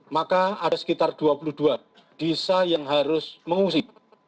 maka ada sekitar dua puluh dua desa yang harus mengungsi